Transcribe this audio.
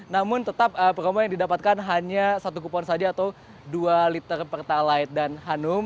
namun tetap promo yang didapatkan hanya satu kupon saja atau dua liter pertalite dan hanum